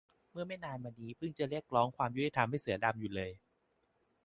เมื่อไม่นานมานี้เพิ่งจะเรียกร้องความยุติธรรมให้เสือดำอยู่เลย